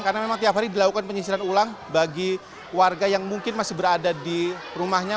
karena memang tiap hari dilakukan penyisiran ulang bagi warga yang mungkin masih berada di rumahnya